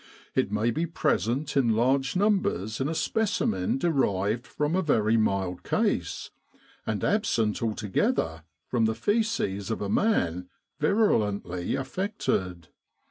It may be present in large numbers in a specimen derived from a very mild case, and absent altogether from the faeces of a man virulently affected.